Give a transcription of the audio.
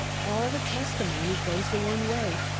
All the testimony goes the one way.